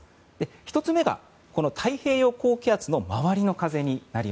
１つ目が太平洋高気圧の周りの風です。